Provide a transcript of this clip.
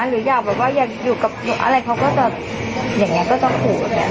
หรืออยากแบบว่าอยากอยู่กับอะไรเขาก็จะอย่างนี้ก็จะโกรธ